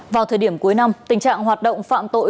vào thời điểm cuối năm tình trạng hoạt động phạm tội